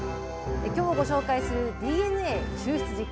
きょうご紹介するＤＮＡ抽出実験。